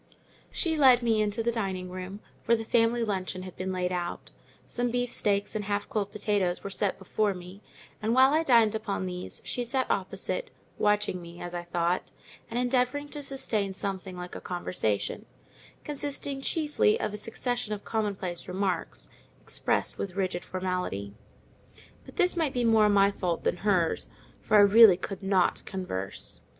She led me into the dining room, where the family luncheon had been laid out. Some beefsteaks and half cold potatoes were set before me; and while I dined upon these, she sat opposite, watching me (as I thought) and endeavouring to sustain something like a conversation—consisting chiefly of a succession of commonplace remarks, expressed with frigid formality: but this might be more my fault than hers, for I really could not converse.